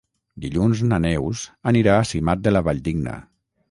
Dilluns na Neus anirà a Simat de la Valldigna.